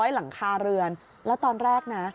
หลังคาเรือนแล้วตอนแรกนะ